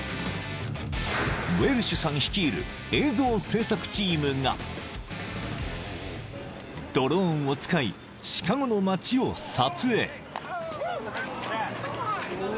［ウェルシュさん率いる映像制作チームがドローンを使いシカゴの街を撮影］